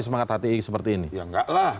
semangat hti seperti ini ya enggak lah